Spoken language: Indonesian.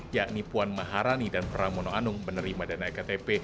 yakni puan maharani dan pramono anung menerima dana ektp